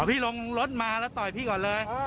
พี่ลงรถมาแล้วต่อยพี่ก่อนเลย